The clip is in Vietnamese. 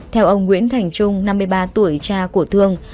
theo ông nguyễn thành trung năm mươi ba tuổi cha của thương